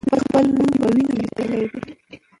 دوی خپل نوم په وینو لیکلی دی.